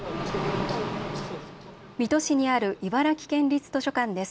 水戸市にある茨城県立図書館です。